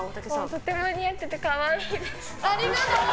とっても似合ってて可愛いです。